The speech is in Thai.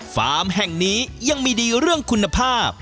ฟาร์มแห่งนี้ยังมีดีเรื่องคุณภาพ